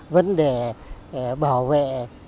vấn đề bảo vệ